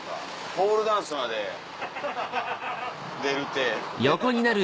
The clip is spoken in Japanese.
ポールダンスまで出るって。